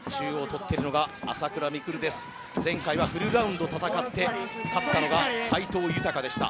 前回はフルラウンド戦って勝ったのが斎藤裕でした。